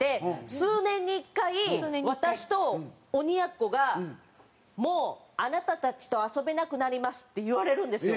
数年に１回私と鬼奴が「もうあなたたちと遊べなくなります」って言われるんですよ。